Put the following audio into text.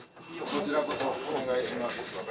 こちらこそお願いします。